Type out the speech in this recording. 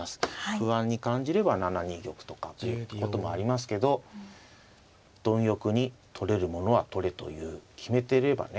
不安に感じれば７二玉とかということもありますけど貪欲に取れるものは取れという決めてればね